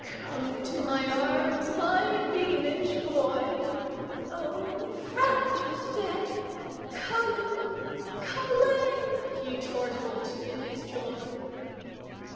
Come to my arms, my beamish boy!O frabjous day! Callooh! Callay!"He chortled in his joy.